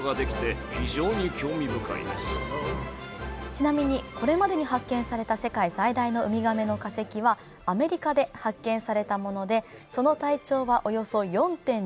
ちなみに、これまでに発見された世界最大のウミガメの化石はアメリカで発見されたもので、その体長はおよそ４．６ｍ。